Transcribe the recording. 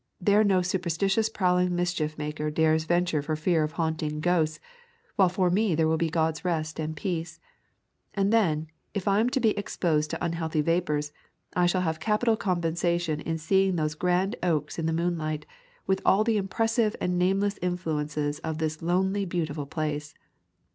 There no superstitious prowling mischief maker dares venture for fear of haunting ghosts, while for me there will be God's rest and peace. And then, if I am tobe ex posed to unhealthy vapors, I shall have capital compensation in seeing those grand oaks in the moonlight, with all the impressive and nameless influences of this lonely beautiful place."